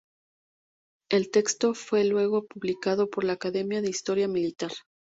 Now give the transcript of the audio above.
El texto fue luego publicado por la Academia de Historia Militar.